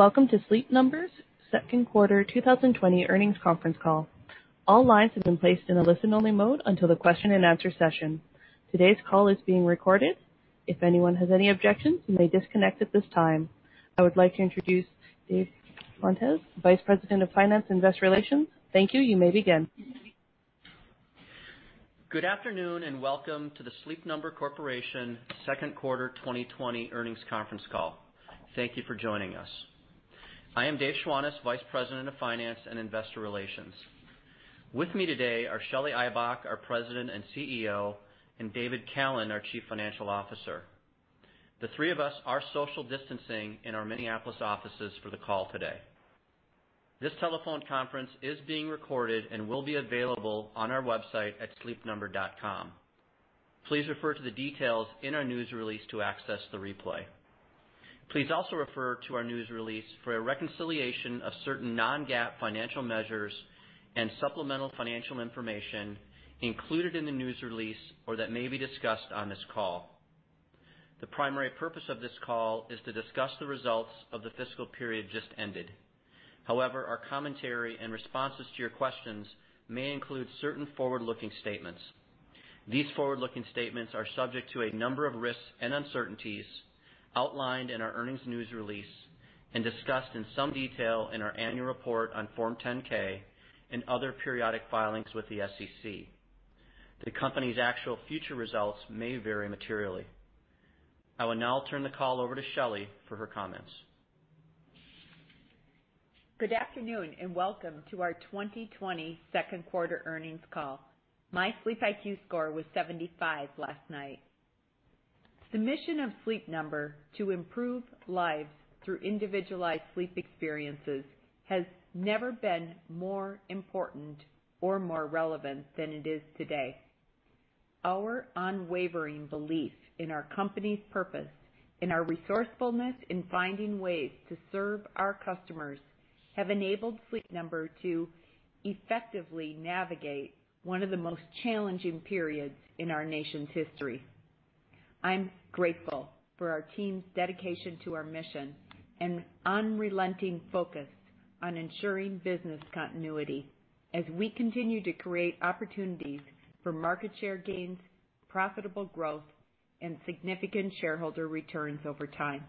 Welcome to Sleep Number's second quarter 2020 earnings conference call. All lines have been placed in a listen-only mode until the question-and-answer session. Today's call is being recorded. If anyone has any objections, you may disconnect at this time. I would like to introduce Dave Schwantes, Vice President of Finance and Investor Relations. Thank you. You may begin. Good afternoon, and welcome to the Sleep Number Corporation second quarter 2020 earnings conference call. Thank you for joining us. I am Dave Schwantes, Vice President of Finance and Investor Relations. With me today are Shelly Ibach, our President and CEO, and David Callen, our Chief Financial Officer. The three of us are social distancing in our Minneapolis offices for the call today. This telephone conference is being recorded and will be available on our website at sleepnumber.com. Please refer to the details in our news release to access the replay. Please also refer to our news release for a reconciliation of certain non-GAAP financial measures and supplemental financial information included in the news release or that may be discussed on this call. The primary purpose of this call is to discuss the results of the fiscal period just ended. Our commentary and responses to your questions may include certain forward-looking statements. These forward-looking statements are subject to a number of risks and uncertainties outlined in our earnings news release and discussed in some detail in our annual report on Form 10-K and other periodic filings with the SEC. The company's actual future results may vary materially. I will now turn the call over to Shelly for her comments. Good afternoon, and welcome to our 2020 second quarter earnings call. My SleepIQ score was 75 last night. The mission of Sleep Number, to improve lives through individualized sleep experiences, has never been more important or more relevant than it is today. Our unwavering belief in our company's purpose and our resourcefulness in finding ways to serve our customers have enabled Sleep Number to effectively navigate one of the most challenging periods in our nation's history. I'm grateful for our team's dedication to our mission and unrelenting focus on ensuring business continuity as we continue to create opportunities for market share gains, profitable growth, and significant shareholder returns over time.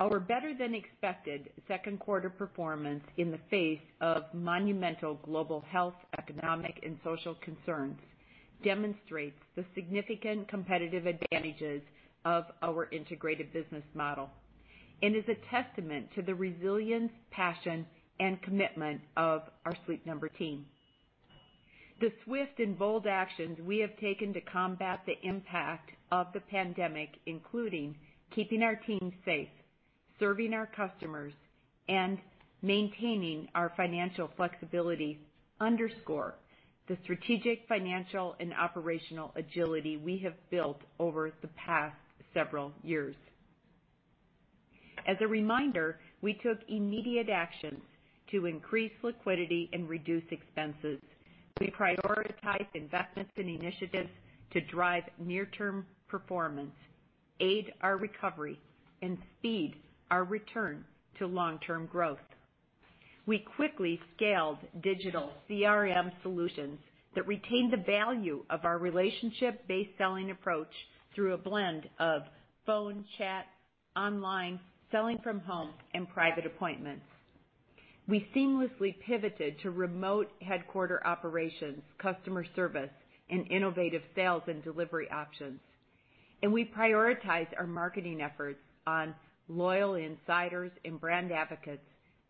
Our better-than-expected second quarter performance in the face of monumental global health, economic, and social concerns demonstrates the significant competitive advantages of our integrated business model and is a testament to the resilience, passion, and commitment of our Sleep Number team. The swift and bold actions we have taken to combat the impact of the pandemic, including keeping our team safe, serving our customers, and maintaining our financial flexibility, underscore the strategic, financial, and operational agility we have built over the past several years. As a reminder, we took immediate actions to increase liquidity and reduce expenses. We prioritized investments and initiatives to drive near-term performance, aid our recovery, and speed our return to long-term growth. We quickly scaled digital CRM solutions that retained the value of our relationship-based selling approach through a blend of phone, chat, online, selling from home, and private appointments. We seamlessly pivoted to remote headquarter operations, customer service, and innovative sales and delivery options, we prioritize our marketing efforts on loyal insiders and brand advocates,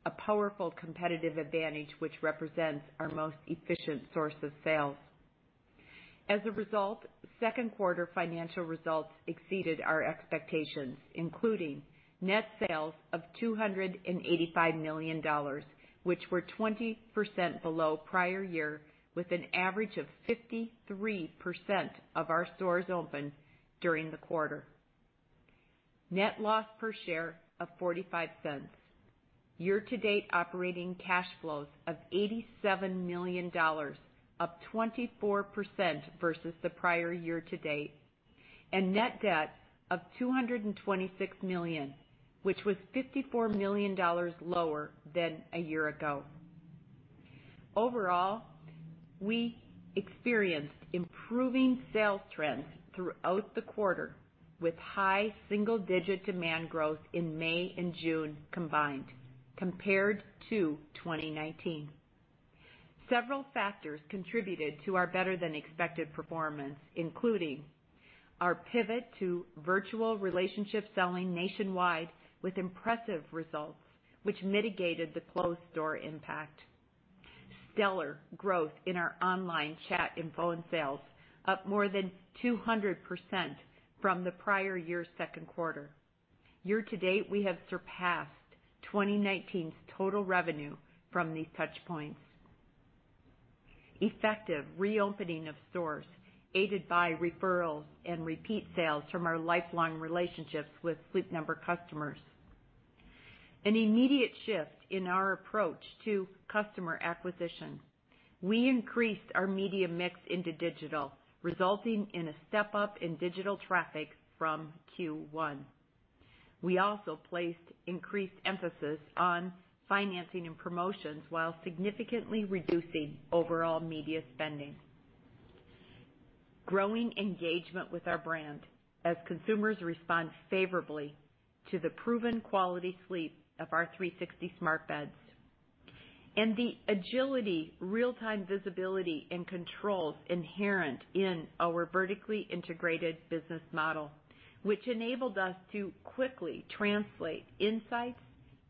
a powerful competitive advantage which represents our most efficient source of sales. As a result, second quarter financial results exceeded our expectations, including net sales of $285 million, which were 20% below prior year, with an average of 53% of our stores open during the quarter. Net loss per share of $0.45, year-to-date operating cash flows of $87 million, up 24% versus the prior year-to-date, and net debt of $226 million, which was $54 million lower than a year ago. Overall, we experienced improving sales trends throughout the quarter, with high single-digit demand growth in May and June combined, compared to 2019. Several factors contributed to our better-than-expected performance, including our pivot to virtual relationship selling nationwide with impressive results, which mitigated the closed door impact. Stellar growth in our online chat and phone sales, up more than 200% from the prior year's second quarter. Year to date, we have surpassed 2019's total revenue from these touchpoints. Effective reopening of stores, aided by referrals and repeat sales from our lifelong relationships with Sleep Number customers. An immediate shift in our approach to customer acquisition. We increased our media mix into digital, resulting in a step-up in digital traffic from Q1. We also placed increased emphasis on financing and promotions, while significantly reducing overall media spending. Growing engagement with our brand as consumers respond favorably to the proven quality sleep of our 360 smart beds, and the agility, real-time visibility, and controls inherent in our vertically integrated business model, which enabled us to quickly translate insights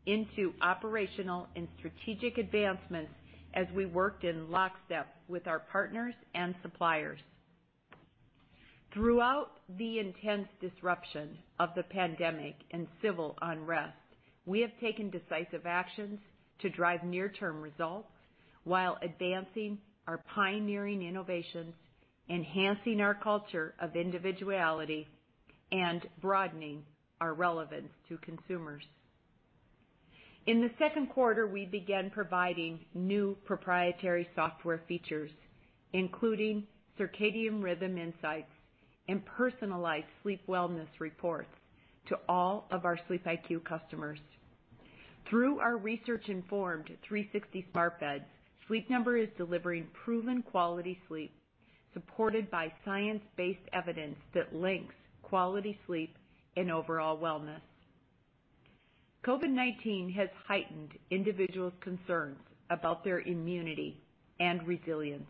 into operational and strategic advancements as we worked in lockstep with our partners and suppliers. Throughout the intense disruption of the pandemic and civil unrest, we have taken decisive actions to drive near-term results while advancing our pioneering innovations, enhancing our culture of individuality, and broadening our relevance to consumers. In the second quarter, we began providing new proprietary software features, including circadian rhythm insights and personalized sleep wellness reports to all of our SleepIQ customers. Through our research-informed 360 smart beds, Sleep Number is delivering proven quality sleep, supported by science-based evidence that links quality sleep and overall wellness. COVID-19 has heightened individuals' concerns about their immunity and resilience.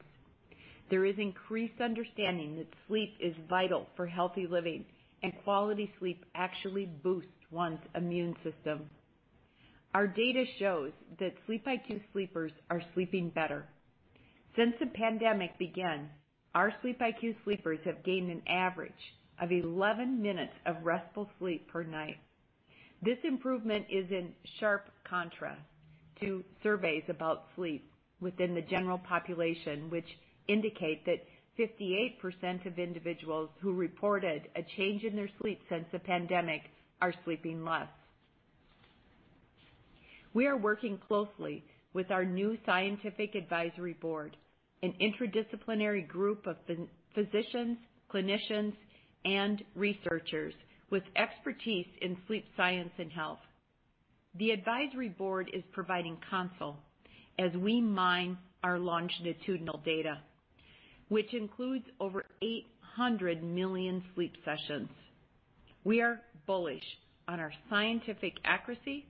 There is increased understanding that sleep is vital for healthy living, and quality sleep actually boosts one's immune system. Our data shows that SleepIQ sleepers are sleeping better. Since the pandemic began, our SleepIQ sleepers have gained an average of 11 minutes of restful sleep per night. This improvement is in sharp contrast to surveys about sleep within the general population, which indicate that 58% of individuals who reported a change in their sleep since the pandemic are sleeping less. We are working closely with our new scientific advisory board, an interdisciplinary group of physicians, clinicians, and researchers with expertise in sleep, science, and health. The advisory board is providing counsel as we mine our longitudinal data, which includes over 800 million sleep sessions. We are bullish on our scientific accuracy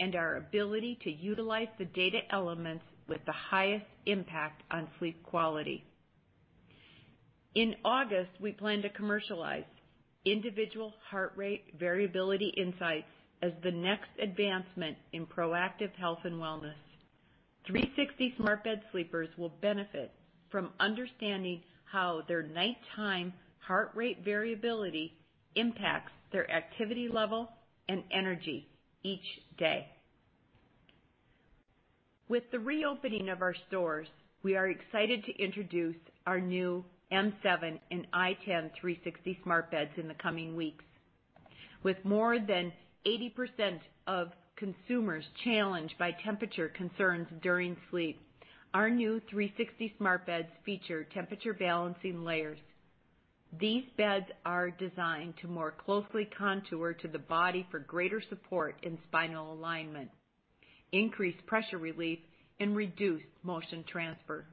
and our ability to utilize the data elements with the highest impact on sleep quality. In August, we plan to commercialize individual heart rate variability insights as the next advancement in proactive health and wellness. 360 smart bed sleepers will benefit from understanding how their nighttime heart rate variability impacts their activity level and energy each day. With the reopening of our stores, we are excited to introduce our new m7 and i10 360 smart beds in the coming weeks. With more than 80% of consumers challenged by temperature concerns during sleep, our new 360 smart beds feature temperature balancing layers. These beds are designed to more closely contour to the body for greater support and spinal alignment, increased pressure relief, and reduced motion transfer.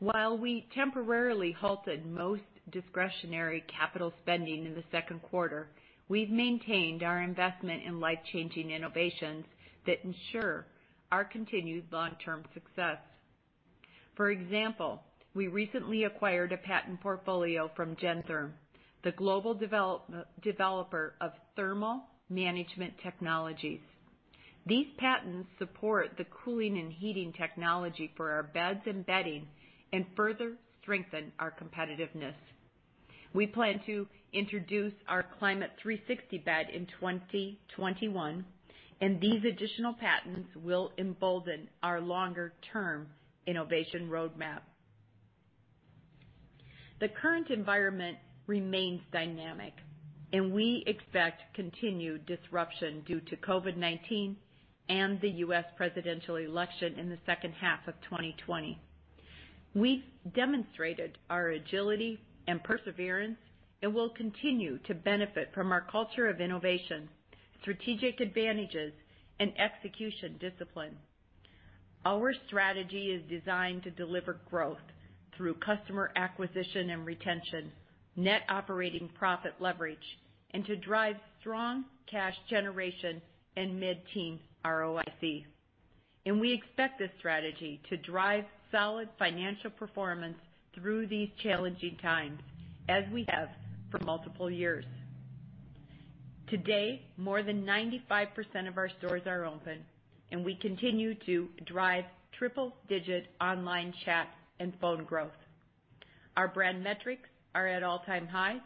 While we temporarily halted most discretionary capital spending in the second quarter, we've maintained our investment in life-changing innovations that ensure our continued long-term success. For example, we recently acquired a patent portfolio from Gentherm, the global developer of thermal management technologies. These patents support the cooling and heating technology for our beds and bedding and further strengthen our competitiveness. We plan to introduce our Climate360 bed in 2021, and these additional patents will embolden our longer-term innovation roadmap. The current environment remains dynamic, and we expect continued disruption due to COVID-19 and the U.S. presidential election in the second half of 2020. We've demonstrated our agility and perseverance and will continue to benefit from our culture of innovation, strategic advantages, and execution discipline. Our strategy is designed to deliver growth through customer acquisition and retention, net operating profit leverage, and to drive strong cash generation and mid-teen ROIC. We expect this strategy to drive solid financial performance through these challenging times, as we have for multiple years. Today, more than 95% of our stores are open. We continue to drive triple-digit online chat and phone growth. Our brand metrics are at all-time highs.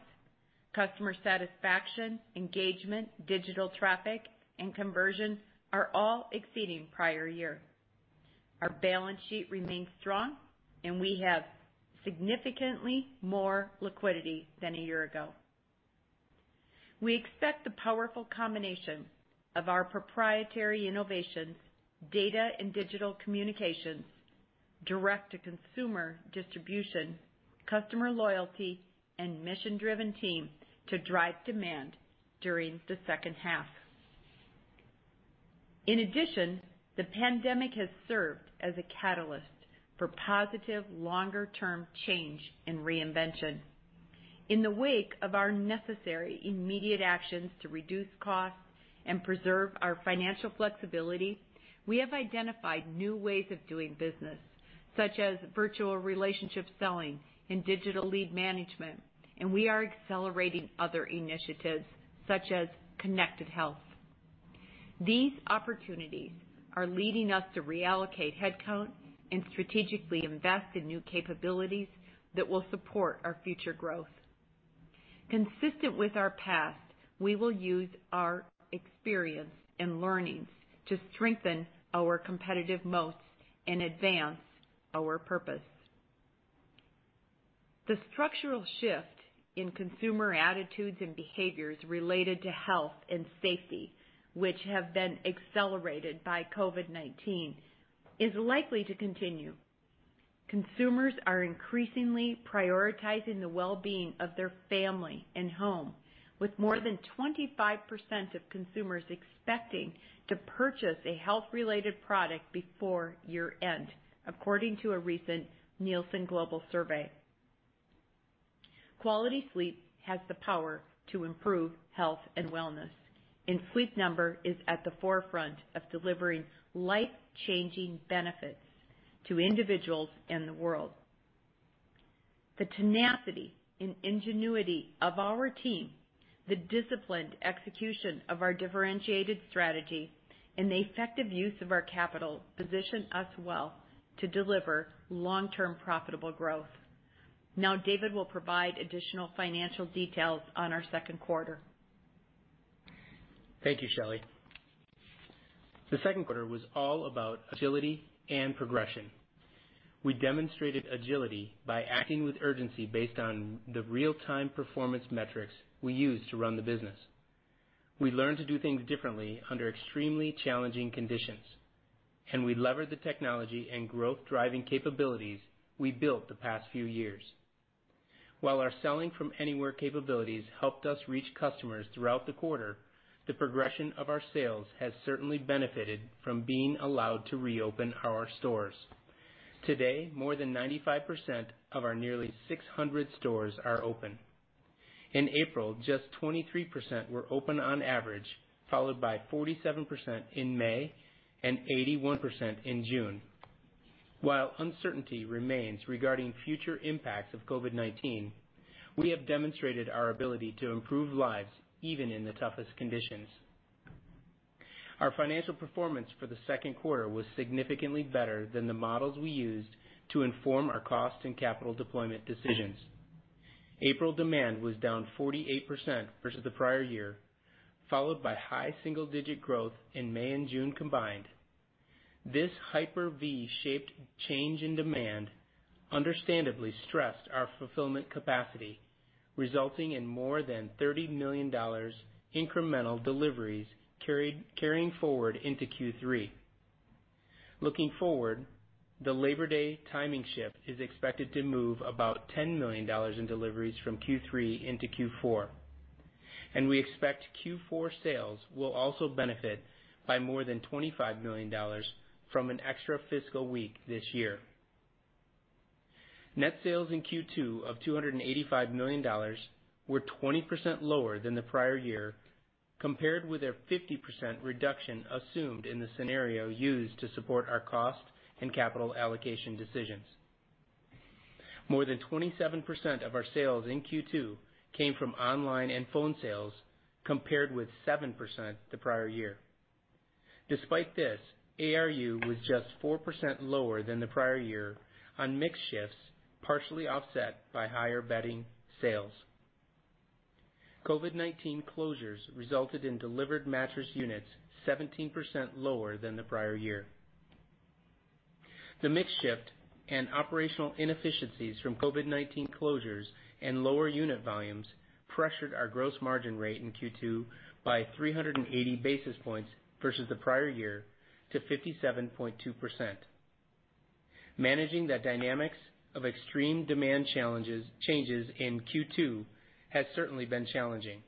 Customer satisfaction, engagement, digital traffic, and conversion are all exceeding prior year. Our balance sheet remains strong. We have significantly more liquidity than a year ago. We expect the powerful combination of our proprietary innovations, data and digital communications, direct-to-consumer distribution, customer loyalty, and mission-driven team to drive demand during the second half. In addition, the pandemic has served as a catalyst for positive, longer-term change and reinvention. In the wake of our necessary immediate actions to reduce costs and preserve our financial flexibility, we have identified new ways of doing business, such as virtual relationship selling and digital lead management, and we are accelerating other initiatives, such as connected health. These opportunities are leading us to reallocate headcount and strategically invest in new capabilities that will support our future growth. Consistent with our past, we will use our experience and learnings to strengthen our competitive moats and advance our purpose. The structural shift in consumer attitudes and behaviors related to health and safety, which have been accelerated by COVID-19, is likely to continue. Consumers are increasingly prioritizing the well-being of their family and home, with more than 25% of consumers expecting to purchase a health-related product before year-end, according to a recent Nielsen global survey. Quality sleep has the power to improve health and wellness. Sleep Number is at the forefront of delivering life-changing benefits to individuals and the world. The tenacity and ingenuity of our team, the disciplined execution of our differentiated strategy, and the effective use of our capital, position us well to deliver long-term profitable growth. Now, David will provide additional financial details on our second quarter. Thank you, Shelley. The second quarter was all about agility and progression. We demonstrated agility by acting with urgency based on the real-time performance metrics we use to run the business. We learned to do things differently under extremely challenging conditions, and we levered the technology and growth-driving capabilities we built the past few years. While our selling-from-anywhere capabilities helped us reach customers throughout the quarter, the progression of our sales has certainly benefited from being allowed to reopen our stores. Today, more than 95% of our nearly 600 stores are open. In April, just 23% were open on average, followed by 47% in May and 81% in June. While uncertainty remains regarding future impacts of COVID-19, we have demonstrated our ability to improve lives even in the toughest conditions. Our financial performance for the second quarter was significantly better than the models we used to inform our cost and capital deployment decisions. April demand was down 48% versus the prior year, followed by high single-digit growth in May and June combined. This hyper-V shaped change in demand understandably stressed our fulfillment capacity, resulting in more than $30 million incremental deliveries carried, carrying forward into Q3. Looking forward, the Labor Day timing shift is expected to move about $10 million in deliveries from Q3 into Q4, and we expect Q4 sales will also benefit by more than $25 million from an extra fiscal week this year. Net sales in Q2 of $285 million were 20% lower than the prior year, compared with a 50% reduction assumed in the scenario used to support our cost and capital allocation decisions. More than 27% of our sales in Q2 came from online and phone sales, compared with 7% the prior year. Despite this, ARU was just 4% lower than the prior year on mix shifts, partially offset by higher bedding sales. COVID-19 closures resulted in delivered mattress units 17% lower than the prior year. The mix shift and operational inefficiencies from COVID-19 closures and lower unit volumes pressured our gross margin rate in Q2 by 380 basis points versus the prior year to 57.2%. Managing the dynamics of extreme demand challenges, changes in Q2 has certainly been challenging.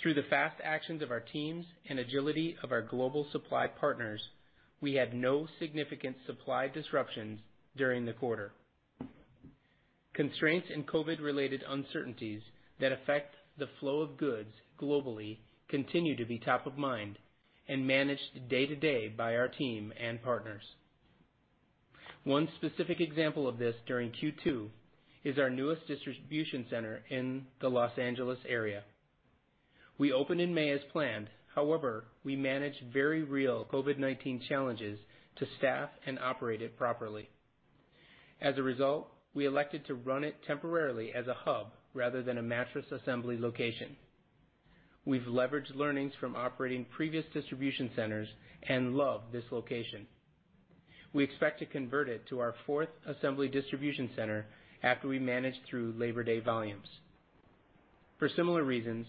Through the fast actions of our teams and agility of our global supply partners, we had no significant supply disruptions during the quarter. Constraints and COVID-related uncertainties that affect the flow of goods globally continue to be top of mind and managed day-to-day by our team and partners. One specific example of this during Q2 is our newest distribution center in the Los Angeles area. We opened in May as planned, however, we managed very real COVID-19 challenges to staff and operate it properly. As a result, we elected to run it temporarily as a hub rather than a mattress assembly location. We've leveraged learnings from operating previous distribution centers and love this location. We expect to convert it to our fourth assembly distribution center after we manage through Labor Day volumes. For similar reasons,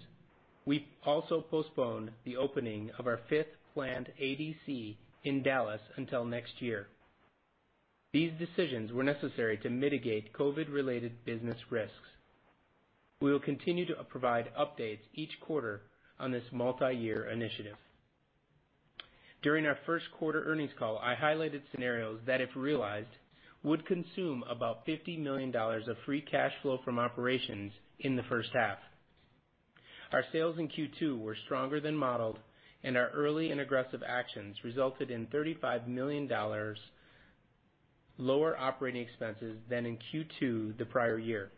we also postponed the opening of our fifth planned ADC in Dallas until next year. These decisions were necessary to mitigate COVID-related business risks. We will continue to provide updates each quarter on this multi-year initiative. During our first quarter earnings call, I highlighted scenarios that, if realized, would consume about $50 million of free cash flow from operations in the first half. Our sales in Q2 were stronger than modeled, our early and aggressive actions resulted in $35 million lower operating expenses than in Q2 the prior year.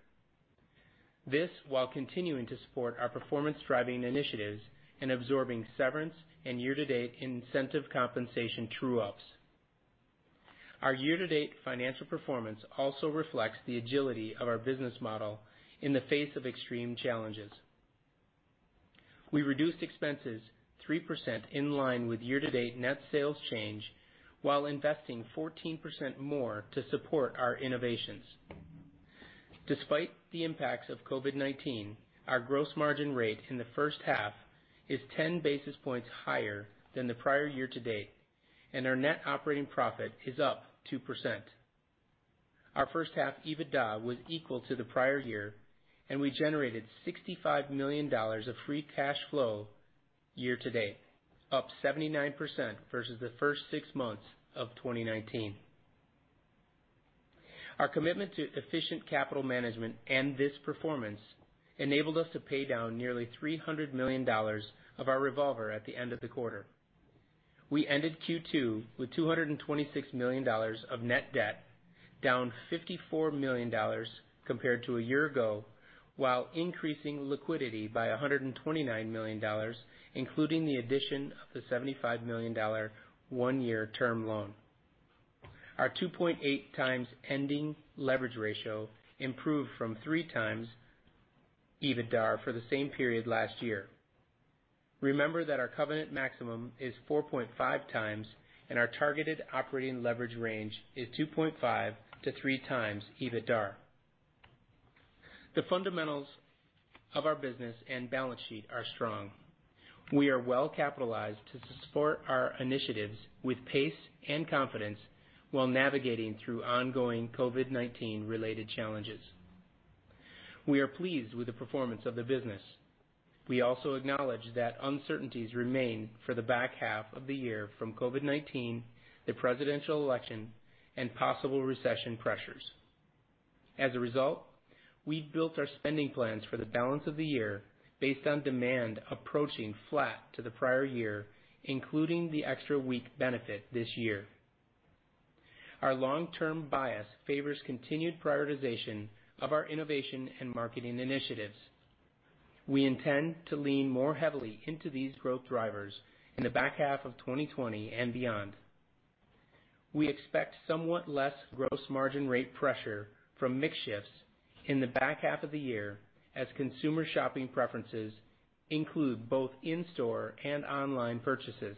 This, while continuing to support our performance-driving initiatives and absorbing severance and year-to-date incentive compensation true ups. Our year-to-date financial performance also reflects the agility of our business model in the face of extreme challenges. We reduced expenses 3% in line with year-to-date net sales change, while investing 14% more to support our innovations. Despite the impacts of COVID-19, our gross margin rate in the first half is 10 basis points higher than the prior year to date, and our net operating profit is up 2%. Our first half EBITDA was equal to the prior year, and we generated $65 million of free cash flow year to date, up 79% versus the first six months of 2019. Our commitment to efficient capital management and this performance enabled us to pay down nearly $300 million of our revolver at the end of the quarter. We ended Q2 with $226 million of net debt, down $54 million compared to a year ago, while increasing liquidity by $129 million, including the addition of the $75 million one-year term loan. Our 2.8 times ending leverage ratio improved from 3 times EBITDA for the same period last year. Remember that our covenant maximum is 4.5 times, and our targeted operating leverage range is 2.5 to 3 times EBITDA. The fundamentals of our business and balance sheet are strong. We are well capitalized to support our initiatives with pace and confidence while navigating through ongoing COVID-19 related challenges. We are pleased with the performance of the business. We also acknowledge that uncertainties remain for the back half of the year from COVID-19, the presidential election, and possible recession pressures. We've built our spending plans for the balance of the year based on demand approaching flat to the prior year, including the extra week benefit this year. Our long-term bias favors continued prioritization of our innovation and marketing initiatives. We intend to lean more heavily into these growth drivers in the back half of 2020 and beyond. We expect somewhat less gross margin rate pressure from mix shifts in the back half of the year, as consumer shopping preferences include both in-store and online purchases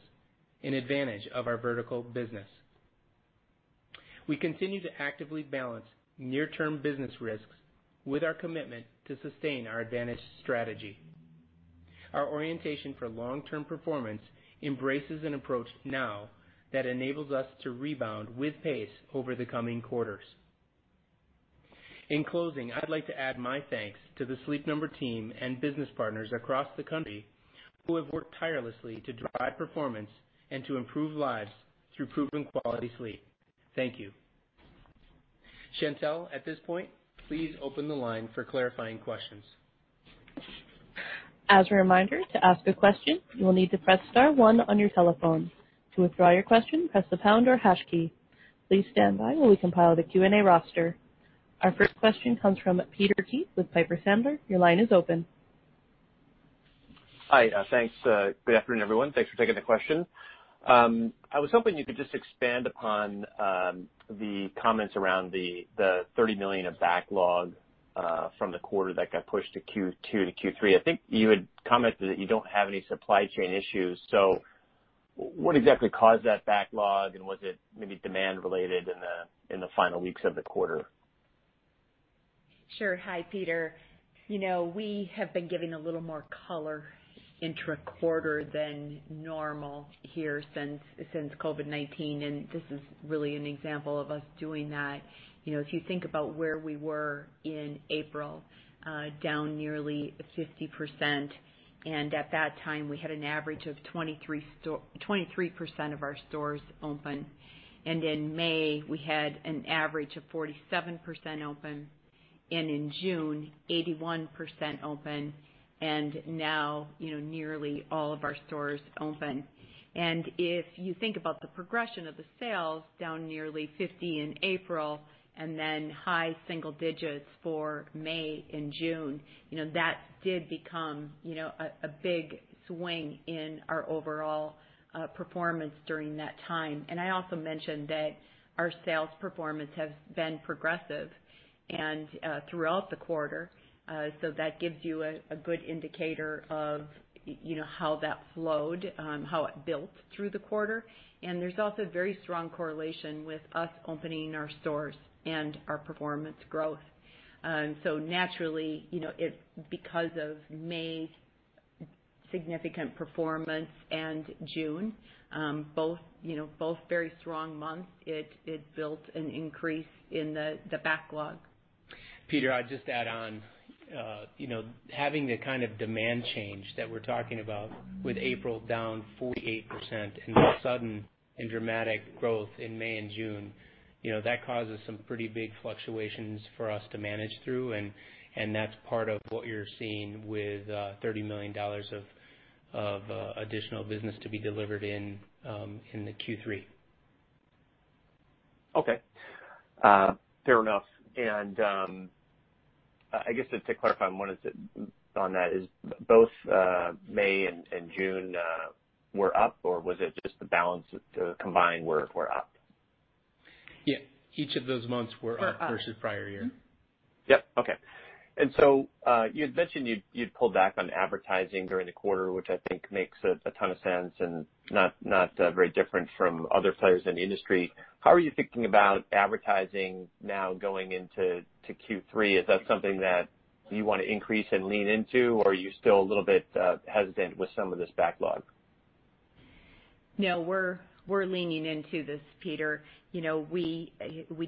in advantage of our vertical business. We continue to actively balance near-term business risks with our commitment to sustain our advantage strategy. Our orientation for long-term performance embraces an approach now that enables us to rebound with pace over the coming quarters. In closing, I'd like to add my thanks to the Sleep Number team and business partners across the country who have worked tirelessly to drive performance and to improve lives through proven quality sleep. Thank you. Chantelle, at this point, please open the line for clarifying questions. As a reminder, to ask a question, you will need to press star one on your telephone. To withdraw your question, press the pound or hash key. Please stand by while we compile the Q&A roster. Our first question comes from Peter Keith with Piper Sandler. Your line is open. Hi, thanks. Good afternoon, everyone. Thanks for taking the question. I was hoping you could just expand upon the comments around the $30 million of backlog from the quarter that got pushed to Q2 to Q3. I think you had commented that you don't have any supply chain issues, so what exactly caused that backlog, and was it maybe demand related in the final weeks of the quarter? Sure. Hi, Peter. You know, we have been giving a little more color intraquarter than normal here since COVID-19. This is really an example of us doing that. You know, if you think about where we were in April, down nearly 50%. At that time, we had an average of 23% of our stores open. In May, we had an average of 47% open. In June, 81% open. Now, you know, nearly all of our stores open. If you think about the progression of the sales, down nearly 50% in April and then high single digits for May and June, you know, that did become, you know, a big swing in our overall performance during that time. I also mentioned that our sales performance has been progressive and throughout the quarter, so that gives you a good indicator of, you know, how that flowed, how it built through the quarter. There's also a very strong correlation with us opening our stores and our performance growth. Naturally, you know, because of May significant performance and June, both, you know, very strong months. It built an increase in the backlog. Peter, I'd just add on, you know, having the kind of demand change that we're talking about with April down 48% and the sudden and dramatic growth in May and June, you know, that causes some pretty big fluctuations for us to manage through, and that's part of what you're seeing with, $30 million of additional business to be delivered in the Q3. Okay. Fair enough. I guess just to clarify 1 is on that, is both May and June were up, or was it just the balance, the combined were up? Yeah. Each of those months were up- Were up.... versus prior year. Yep. Okay. You had mentioned you'd pulled back on advertising during the quarter, which I think makes a ton of sense and not very different from other players in the industry. How are you thinking about advertising now going into Q3? Is that something that you want to increase and lean into, or are you still a little bit hesitant with some of this backlog? No, we're leaning into this, Peter Keith. You know, we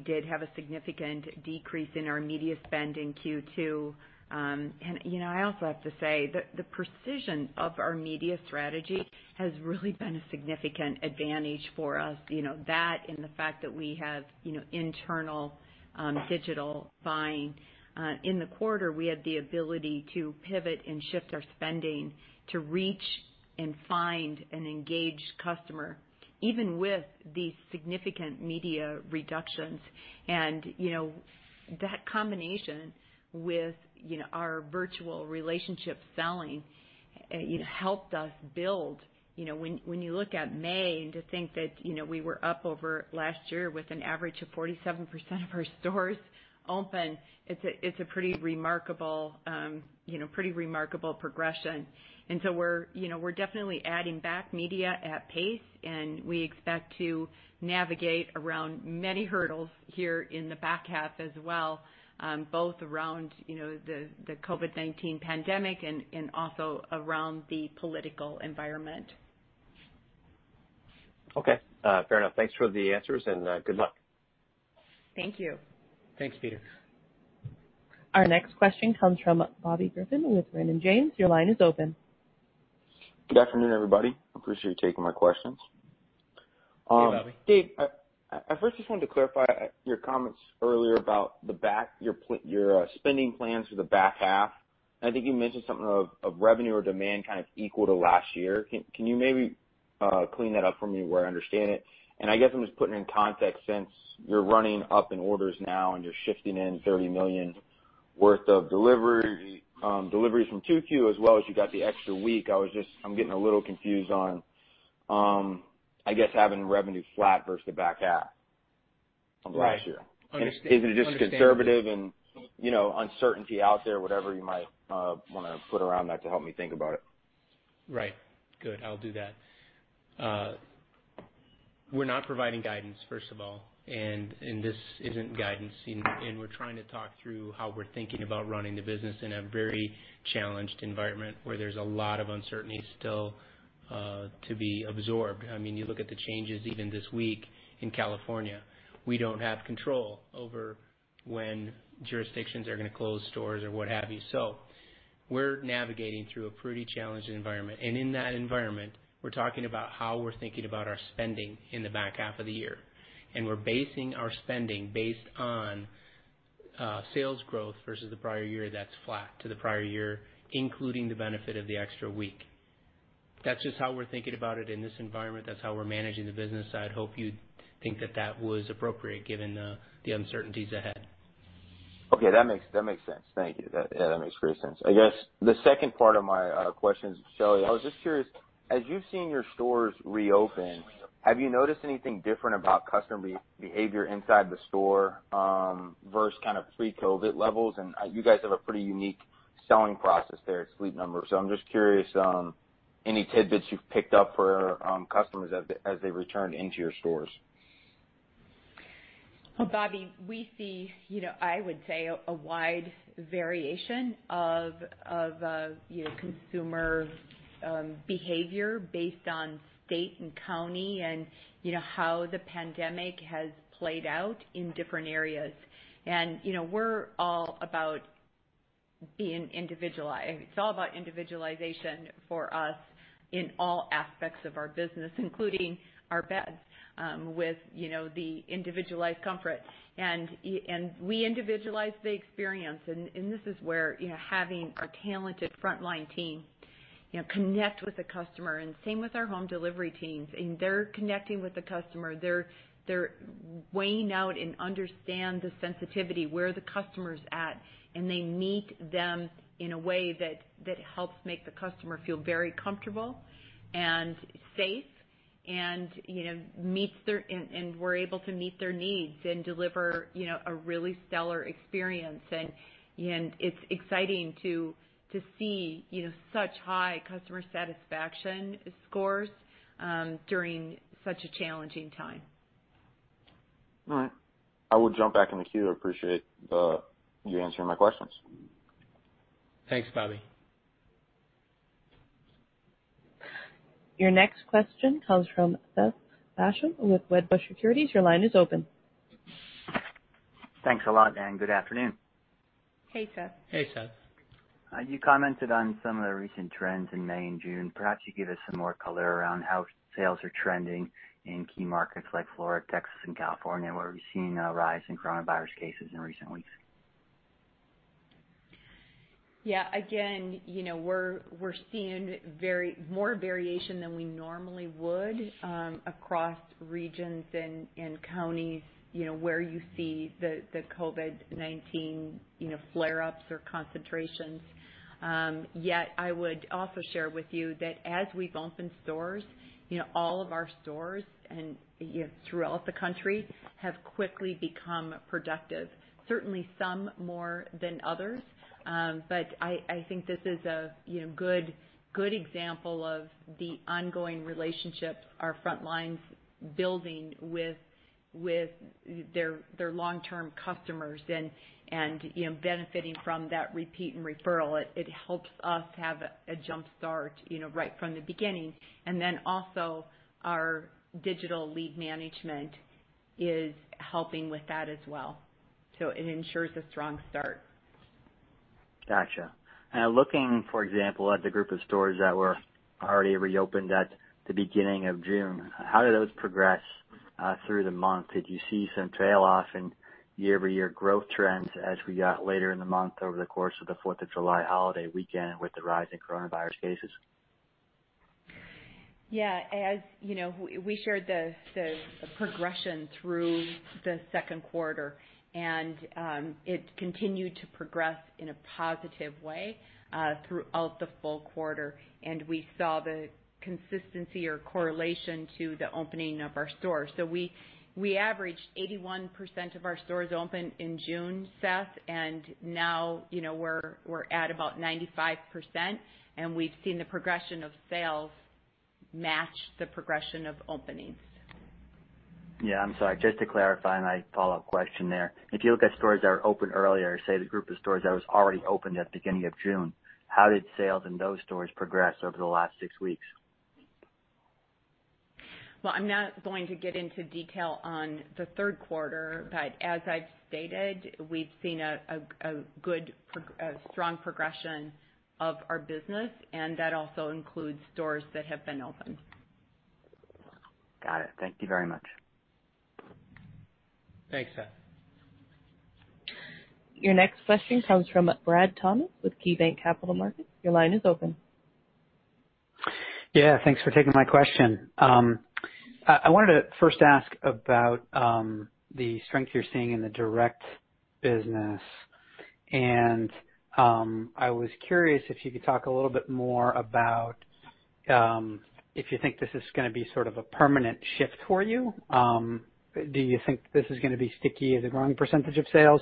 did have a significant decrease in our media spend in Q2. You know, I also have to say that the precision of our media strategy has really been a significant advantage for us. You know, that and the fact that we have, you know, internal digital buying. In the quarter, we had the ability to pivot and shift our spending to reach and find an engaged customer, even with the significant media reductions. You know, that combination with, you know, our virtual relationship selling, you know, helped us build. You know, when you look at May, to think that, you know, we were up over last year with an average of 47% of our stores open, it's a pretty remarkable, you know, pretty remarkable progression. We're, you know, we're definitely adding back media at pace, and we expect to navigate around many hurdles here in the back half as well, both around, you know, the COVID-19 pandemic and also around the political environment. Okay. Fair enough. Thanks for the answers, good luck. Thank you. Thanks, Peter. Our next question comes from Bobby Griffin with Raymond James. Your line is open. Good afternoon, everybody. Appreciate you taking my questions. Hey, Bobby. Dave, I first just wanted to clarify your comments earlier about the back, your spending plans for the back half. I think you mentioned something of revenue or demand kind of equal to last year. Can you maybe clean that up for me where I understand it? I guess I'm just putting in context, since you're running up in orders now, and you're shifting in $30 million worth of delivery, deliveries from Q2, as well as you got the extra week, I'm getting a little confused on, I guess, having revenue flat versus the back half of last year. Right. Is it just conservative- Understand. you know, uncertainty out there, whatever you might, wanna put around that to help me think about it? Right. Good, I'll do that. We're not providing guidance, first of all, and this isn't guidance, and we're trying to talk through how we're thinking about running the business in a very challenged environment, where there's a lot of uncertainty still to be absorbed. I mean, you look at the changes even this week in California. We don't have control over when jurisdictions are gonna close stores or what have you. We're navigating through a pretty challenging environment, and in that environment, we're talking about how we're thinking about our spending in the back half of the year. We're basing our spending based on sales growth versus the prior year that's flat to the prior year, including the benefit of the extra week. That's just how we're thinking about it in this environment. That's how we're managing the business side. Hope you'd think that that was appropriate, given the uncertainties ahead. Okay, that makes sense. Thank you. That, yeah, that makes great sense. I guess the second part of my question is, Shelly, I was just curious, as you've seen your stores reopen, have you noticed anything different about customer behavior inside the store, versus kind of pre-COVID-19 levels? You guys have a pretty unique selling process there at Sleep Number, so I'm just curious, any tidbits you've picked up for customers as they've returned into your stores? Well, Bobby, we see, you know, I would say, a wide variation of, you know, consumer, behavior based on state and county, and you know, how the pandemic has played out in different areas. You know, we're all about being individualized. It's all about individualization for us in all aspects of our business, including our beds, with, you know, the individualized comfort. We individualize the experience, and this is where, you know, having our talented frontline team, you know, connect with the customer, and same with our home delivery teams, and they're connecting with the customer. They're weighing out and understand the sensitivity, where the customer's at, and they meet them in a way that helps make the customer feel very comfortable and safe and, you know, we're able to meet their needs and deliver, you know, a really stellar experience. It's exciting to see, you know, such high customer satisfaction scores during such a challenging time. All right. I will jump back in the queue. I appreciate you answering my questions. Thanks, Bobby. Your next question comes from Seth Basham with Wedbush Securities. Your line is open. Thanks a lot, and good afternoon. Hey, Seth. Hey, Seth. You commented on some of the recent trends in May and June. Perhaps you could give us some more color around how sales are trending in key markets like Florida, Texas, and California, where we've seen a rise in coronavirus cases in recent weeks. Yeah, again, you know, we're seeing more variation than we normally would across regions and counties, you know, where you see the COVID-19, you know, flare-ups or concentrations. Yet I would also share with you that as we've opened stores, you know, all of our stores throughout the country have quickly become productive, certainly some more than others. I think this is a, you know, good example of the ongoing relationships our front lines building with their long-term customers and, you know, benefiting from that repeat and referral. It helps us have a jump start, you know, right from the beginning. Also, our digital lead management is helping with that as well. It ensures a strong start. Gotcha. Now, looking, for example, at the group of stores that were already reopened at the beginning of June, how did those progress through the month? Did you see some trail off in year-over-year growth trends as we got later in the month over the course of the Fourth of July holiday weekend with the rise in coronavirus cases? Yeah. As you know, we shared the progression through the second quarter. It continued to progress in a positive way throughout the full quarter. We saw the consistency or correlation to the opening of our stores. We averaged 81% of our stores open in June, Seth. Now, you know, we're at about 95%. We've seen the progression of sales match the progression of openings. Yeah. I'm sorry, just to clarify my follow-up question there. If you look at stores that were open earlier, say, the group of stores that was already open at the beginning of June, how did sales in those stores progress over the last six weeks? I'm not going to get into detail on the third quarter, but as I've stated, we've seen a strong progression of our business, and that also includes stores that have been open. Got it. Thank you very much. Thanks, Seth. Your next question comes from Brad Thomas with KeyBanc Capital Markets. Your line is open. Thanks for taking my question. I wanted to first ask about the strength you're seeing in the direct business. I was curious if you could talk a little bit more about if you think this is gonna be sort of a permanent shift for you. Do you think this is gonna be sticky as a growing percentage of sales,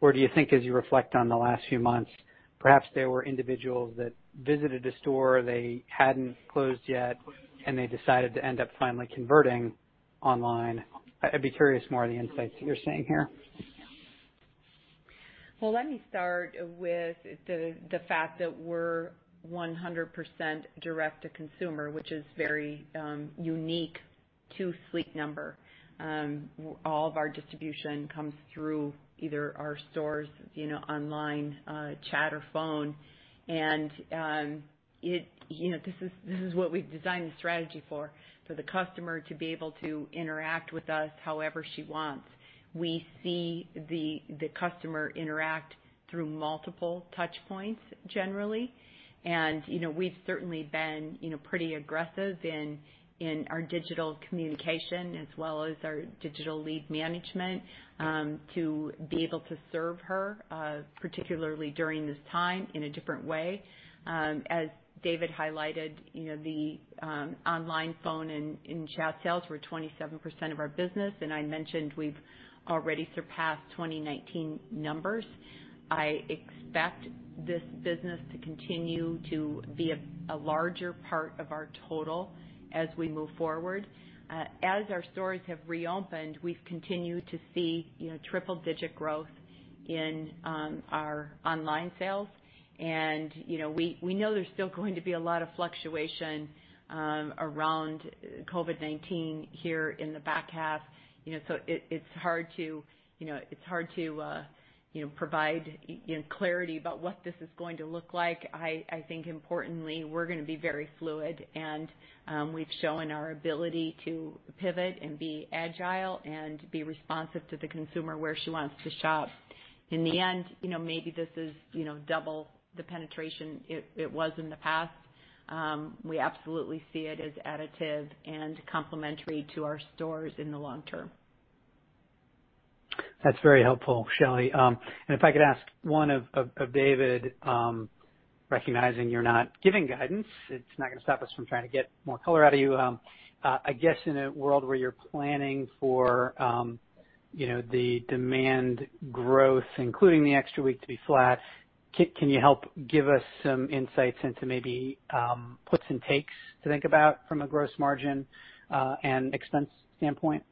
or do you think, as you reflect on the last few months, perhaps there were individuals that visited a store they hadn't closed yet, and they decided to end up finally converting online? I'd be curious more on the insights you're seeing here. Let me start with the fact that we're 100% direct to consumer, which is very unique to Sleep Number. All of our distribution comes through either our stores, you know, online, chat, or phone. You know, this is what we've designed the strategy for the customer to be able to interact with us however she wants. We see the customer interact through multiple touch points, generally, and, you know, we've certainly been, you know, pretty aggressive in our digital communication, as well as our digital lead management, to be able to serve her particularly during this time, in a different way. As David highlighted, you know, the online phone and chat sales were 27% of our business, and I mentioned we've already surpassed 2019 numbers. I expect this business to continue to be a larger part of our total as we move forward. As our stores have reopened, we've continued to see, you know, triple-digit growth in our online sales. You know, we know there's still going to be a lot of fluctuation around COVID-19 here in the back half, you know, so it's hard to provide, you know, clarity about what this is going to look like. I think importantly, we're gonna be very fluid and we've shown our ability to pivot and be agile and be responsive to the consumer where she wants to shop. In the end, you know, maybe this is, you know, double the penetration it was in the past. We absolutely see it as additive and complementary to our stores in the long term. That's very helpful, Shelley. If I could ask one of David, recognizing you're not giving guidance, it's not gonna stop us from trying to get more color out of you. I guess in a world where you're planning for, you know, the demand growth, including the extra week, to be flat- ... Can you help give us some insights into maybe, puts and takes to think about from a gross margin, and expense standpoint?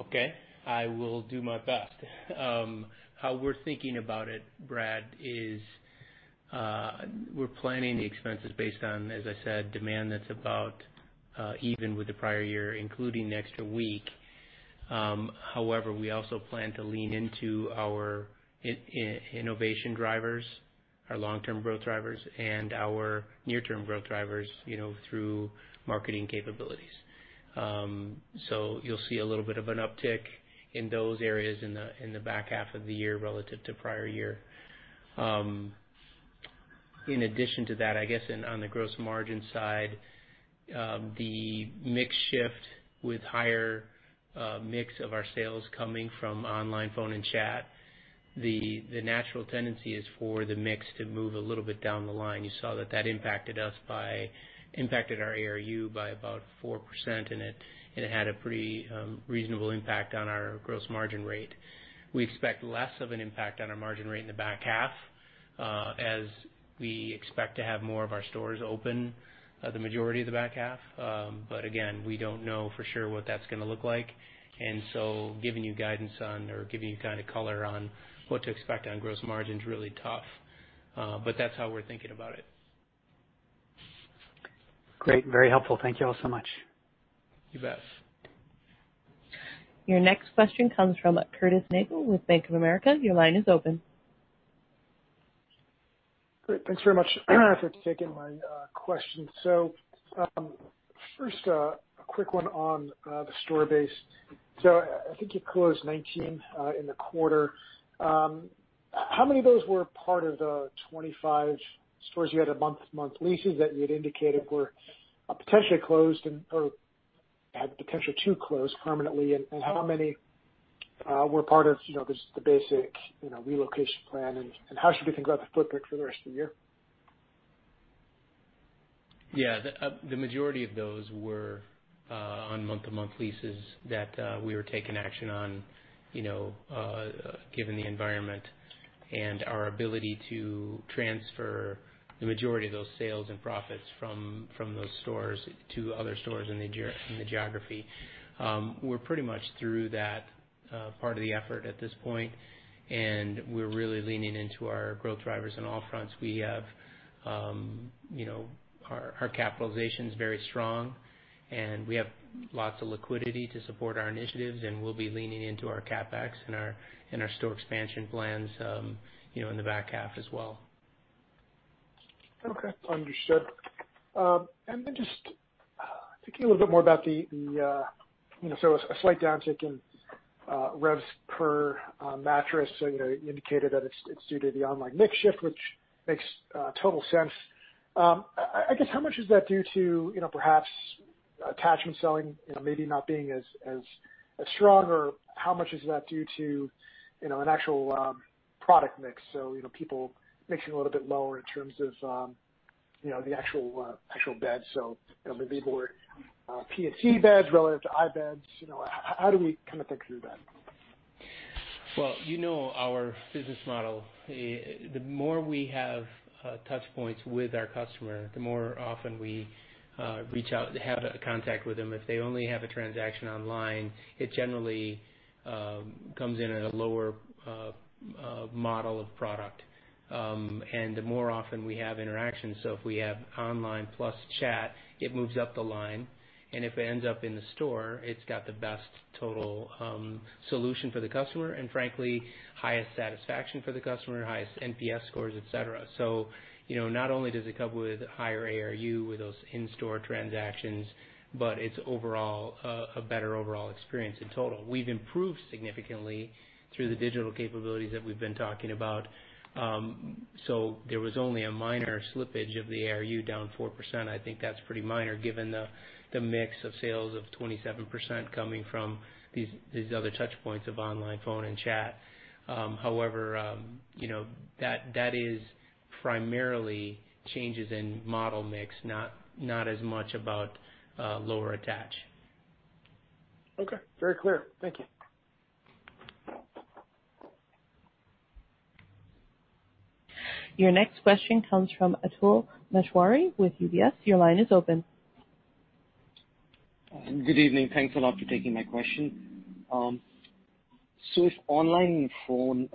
Okay, I will do my best. How we're thinking about it, Brad, is we're planning the expenses based on, as I said, demand that's about even with the prior year, including the extra week. However, we also plan to lean into our innovation drivers, our long-term growth drivers, and our near-term growth drivers, you know, through marketing capabilities. You'll see a little bit of an uptick in those areas in the back half of the year relative to prior year. In addition to that, I guess in, on the gross margin side, the mix shift with higher mix of our sales coming from online, phone, and chat, the natural tendency is for the mix to move a little bit down the line. You saw that that impacted our ARU by about 4%, and it had a pretty reasonable impact on our gross margin rate. We expect less of an impact on our margin rate in the back half, as we expect to have more of our stores open, the majority of the back half. But again, we don't know for sure what that's gonna look like. Giving you guidance on or giving you kind of color on what to expect on gross margin is really tough, but that's how we're thinking about it. Great. Very helpful. Thank you all so much. You bet. Your next question comes from Curtis Nagle with Bank of America. Your line is open. Great. Thanks very much for taking my question. First, a quick one on the store base. I think you closed 19 in the quarter. How many of those were part of the 25 stores you had on month-to-month leases that you had indicated were potentially closed and, or had potential to close permanently? How many were part of, you know, just the basic, you know, relocation plan, and how should we think about the footprint for the rest of the year? The majority of those were on month-to-month leases that we were taking action on, you know, given the environment and our ability to transfer the majority of those sales and profits from those stores to other stores in the geography. We're pretty much through that part of the effort at this point. We're really leaning into our growth drivers on all fronts. We have, you know, our capitalization is very strong. We have lots of liquidity to support our initiatives, and we'll be leaning into our CapEx and our store expansion plans, you know, in the back half as well. Okay, understood. Just thinking a little bit more about the, you know, a slight downtick in revs per mattress. You know, you indicated that it's due to the online mix shift, which makes total sense. I guess, how much is that due to, you know, perhaps attachment selling, you know, maybe not being as, as strong, or how much is that due to, you know, an actual product mix? You know, people mixing a little bit lower in terms of, you know, the actual actual bed. You know, maybe more PSC beds relative to i beds, you know, how do we kind of think through that? Well, you know, our business model, the more we have touch points with our customer, the more often we reach out, have a contact with them. If they only have a transaction online, it generally comes in at a lower model of product. The more often we have interactions, so if we have online plus chat, it moves up the line, and if it ends up in the store, it's got the best total solution for the customer and frankly, highest satisfaction for the customer, highest NPS scores, et cetera. You know, not only does it come with higher ARU with those in-store transactions, but it's overall a better overall experience in total. We've improved significantly through the digital capabilities that we've been talking about. There was only a minor slippage of the ARU, down 4%. I think that's pretty minor, given the mix of sales of 27% coming from these other touch points of online, phone, and chat. However, you know, that is primarily changes in model mix, not as much about lower attach. Okay. Very clear. Thank you. Your next question comes from Atul Maheswari with UBS. Your line is open. Good evening. Thanks a lot for taking my question. If online phone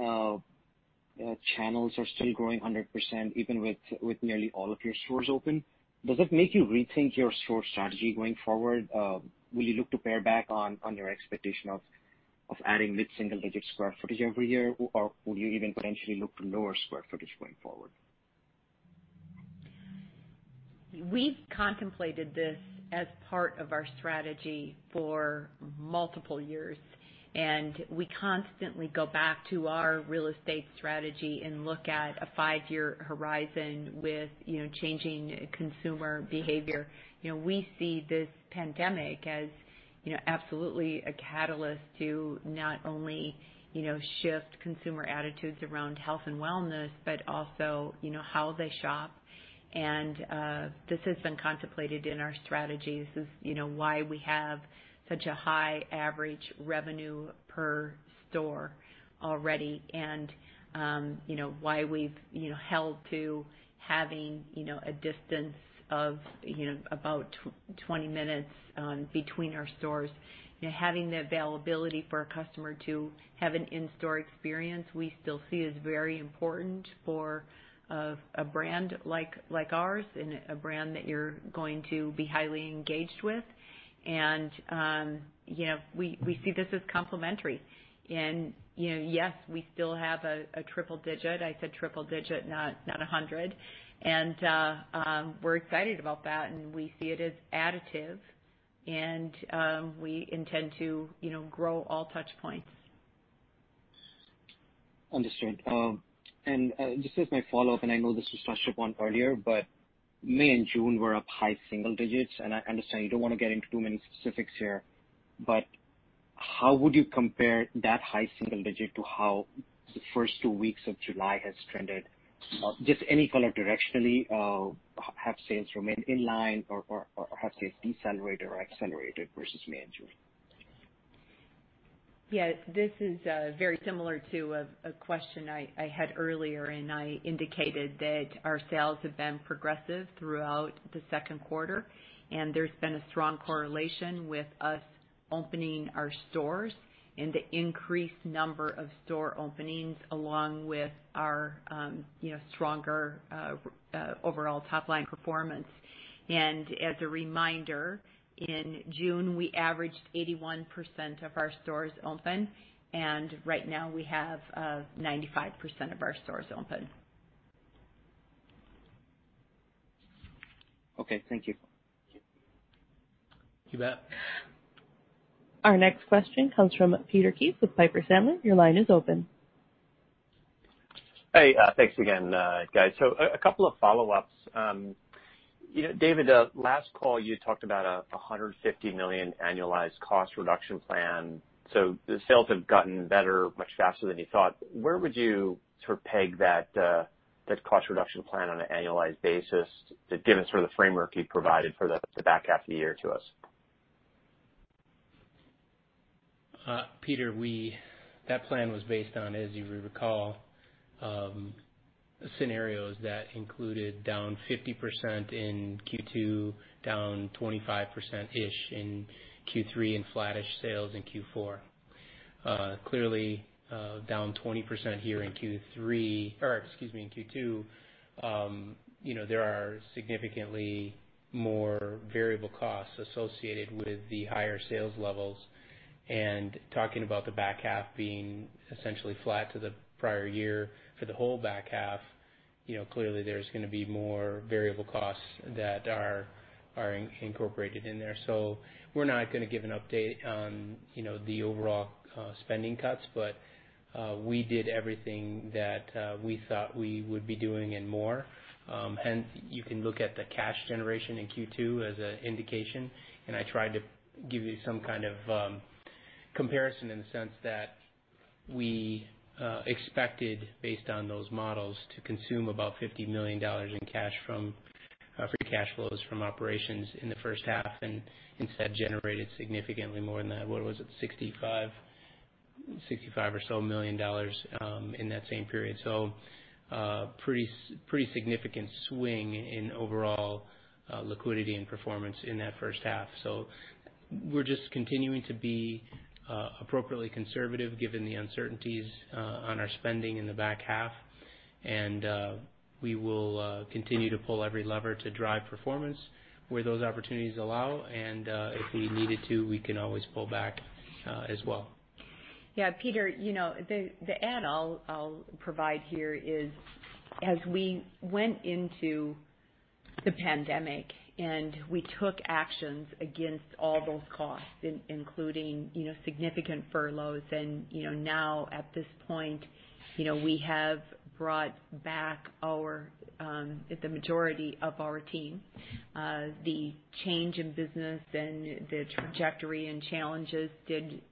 channels are still growing 100%, even with nearly all of your stores open, does it make you rethink your store strategy going forward? Will you look to pare back on your expectation of adding mid-single-digit square footage every year, or will you even potentially look to lower square footage going forward?... We've contemplated this as part of our strategy for multiple years, and we constantly go back to our real estate strategy and look at a five-year horizon with, you know, changing consumer behavior. You know, we see this pandemic as, you know, absolutely a catalyst to not only, you know, shift consumer attitudes around health and wellness, but also, you know, how they shop. This has been contemplated in our strategies. This is, you know, why we have such a high average revenue per store already. Why we've, you know, held to having, you know, a distance of, you know, about 20 minutes between our stores. Having the availability for a customer to have an in-store experience, we still see is very important for a brand like ours and a brand that you're going to be highly engaged with. You know, we see this as complementary. You know, yes, we still have a triple digit. I said triple digit, not 100. We're excited about that, and we see it as additive. We intend to, you know, grow all touchpoints. Understood. Just as my follow-up, and I know this was touched upon earlier, but May and June were up high single digits, and I understand you don't wanna get into too many specifics here, but how would you compare that high single digit to how the first 2 weeks of July has trended? Just any color directionally, have sales remained in line or have sales decelerated or accelerated versus May and June? Yeah, this is very similar to a question I had earlier. I indicated that our sales have been progressive throughout the second quarter. There's been a strong correlation with us opening our stores and the increased number of store openings, along with our, you know, stronger overall top line performance. As a reminder, in June, we averaged 81% of our stores open. Right now we have 95% of our stores open. Okay, thank you. You bet. Our next question comes from Peter Keith with Piper Sandler. Your line is open. Hey, thanks again, guys. A couple of follow-ups. You know, David, last call, you talked about a $150 million annualized cost reduction plan. The sales have gotten better, much faster than you thought. Where would you sort of peg that cost reduction plan on an annualized basis, given sort of the framework you've provided for the back half of the year to us? Peter, That plan was based on, as you recall, scenarios that included down 50% in Q2, down 25%-ish in Q3, and flattish sales in Q4. Clearly, down 20% here in Q3, or excuse me, in Q2, you know, there are significantly more variable costs associated with the higher sales levels. Talking about the back half being essentially flat to the prior year for the whole back half, you know, clearly there's gonna be more variable costs that are incorporated in there. We're not gonna give an update on, you know, the overall spending cuts, but we did everything that we thought we would be doing and more. You can look at the cash generation in Q2 as an indication, I tried to give you some kind of comparison in the sense that we expected, based on those models, to consume about $50 million in cash from free cash flows from operations in the first half and instead generated significantly more than that. What was it? $65 million or so in that same period. Pretty significant swing in overall liquidity and performance in that first half. We're just continuing to be appropriately conservative, given the uncertainties, on our spending in the back half. We will continue to pull every lever to drive performance where those opportunities allow, and if we needed to, we can always pull back as well. Yeah, Peter, you know, the add I'll provide here is, as we went into the pandemic and we took actions against all those costs, including, you know, significant furloughs, and, you know, now at this point, you know, we have brought back our the majority of our team. The change in business and the trajectory and challenges did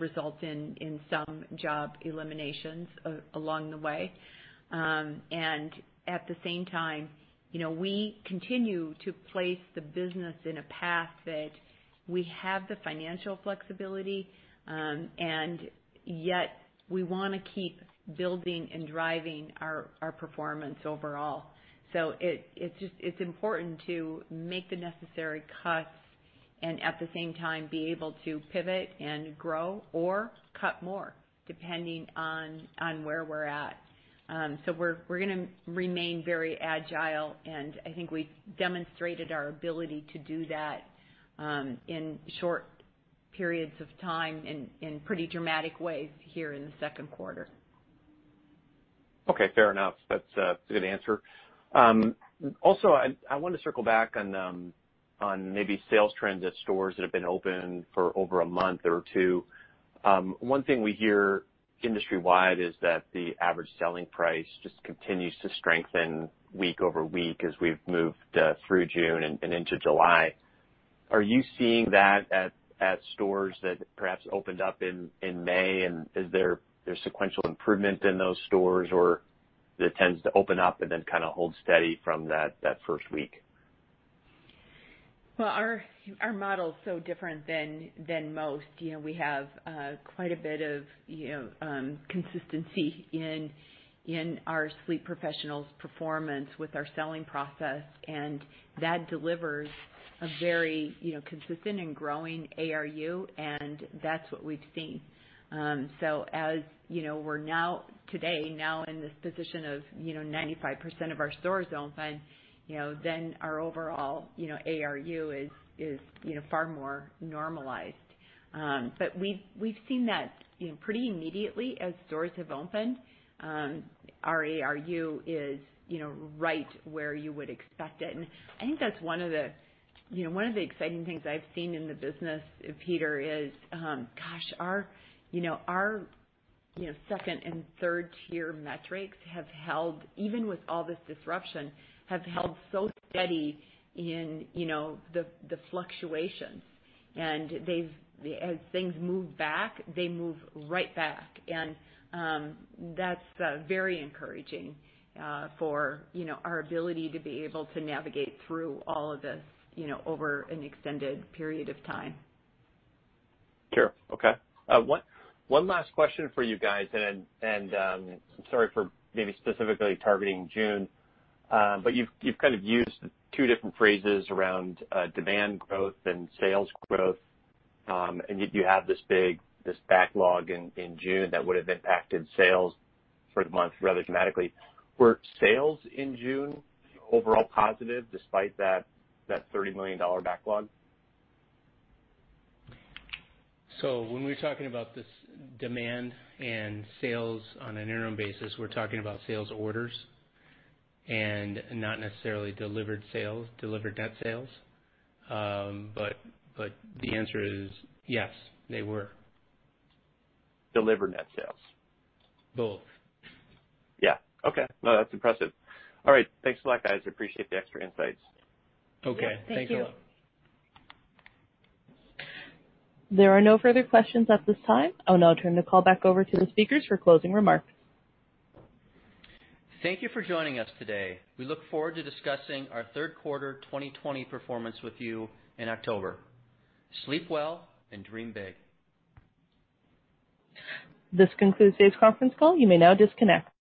result in some job eliminations along the way. At the same time, you know, we continue to place the business in a path that we have the financial flexibility, and yet we wanna keep building and driving our performance overall. It's just, it's important to make the necessary cuts and, at the same time, be able to pivot and grow or cut more, depending on where we're at. We're gonna remain very agile, and I think we've demonstrated our ability to do that, in short periods of time, in pretty dramatic ways here in the second quarter. Okay, fair enough. That's a good answer. Also, I wanna circle back on maybe sales trends at stores that have been open for over a month or two. One thing we hear industry-wide is that the average selling price just continues to strengthen week over week as we've moved through June and into July. Are you seeing that at stores that perhaps opened up in May? Is there sequential improvement in those stores, or it tends to open up and then kind of hold steady from that first week? Well, our model is so different than most. You know, we have quite a bit of, you know, consistency in our sleep professionals' performance with our selling process, and that delivers a very, you know, consistent and growing ARU, and that's what we've seen. As you know, we're now, today, now in this position of, you know, 95% of our stores are open, you know, then our overall, you know, ARU is, you know, far more normalized. We've seen that, you know, pretty immediately as stores have opened, our ARU is, you know, right where you would expect it. I think that's one of the, you know, one of the exciting things I've seen in the business, Peter, is, gosh, our, you know, our, you know, second- and third-tier metrics have held, even with all this disruption, have held so steady in, you know, the fluctuations. As things move back, they move right back. That's very encouraging for, you know, our ability to be able to navigate through all of this, you know, over an extended period of time. Sure. Okay. One last question for you guys, sorry for maybe specifically targeting June. You've kind of used two different phrases around demand growth and sales growth. Yet you have this big backlog in June that would have impacted sales for the month rather dramatically. Were sales in June overall positive, despite that $30 million backlog? When we're talking about this demand and sales on an interim basis, we're talking about sales orders and not necessarily delivered sales, delivered net sales. The answer is yes, they were. Delivered net sales? Both. Yeah. Okay. No, that's impressive. All right. Thanks a lot, guys. I appreciate the extra insights. Okay. Yeah. Thanks a lot. Thank you. There are no further questions at this time. I'll now turn the call back over to the speakers for closing remarks. Thank you for joining us today. We look forward to discussing our third quarter 2020 performance with you in October. Sleep well and dream big. This concludes today's conference call. You may now disconnect.